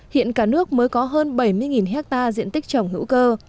hiện cả nước mới có hơn bảy mươi hectare diện tích trồng hữu cơ